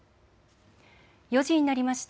４時になりました。